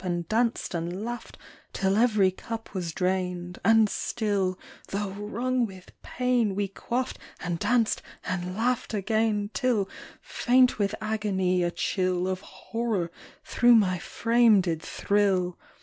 And danced and laughed, till every cup Was drained, and still, though wrung with pain, We quafi'ed and danced and laughed again, Till, faint with agony, a chill Of horror through my frame did thrill.